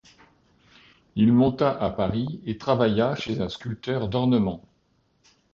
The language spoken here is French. Il monta à Paris et travailla chez un sculpteur d'ornements.